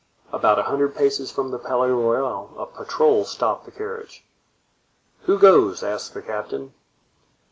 About a hundred paces from the Palais Royal a patrol stopped the carriage. "Who goes?" asked the captain.